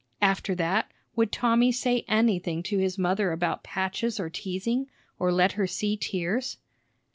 After that would Tommy say anything to his mother about patches or teasing, or let her see tears?